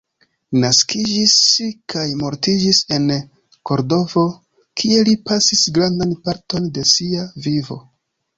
Naskiĝis kaj mortiĝis en Kordovo, kie li pasis grandan parton de sia vivo.